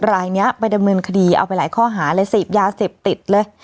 รายนี้ไปดำเนินคดีเอาไปหลายข้อหาเลยเสพยาเสพติดเลย